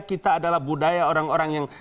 kita adalah budaya orang orang yang